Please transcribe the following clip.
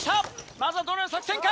まずはどのような作戦か？